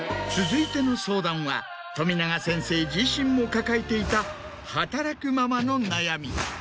続いての相談は冨永先生自身も抱えていた働くママの悩み。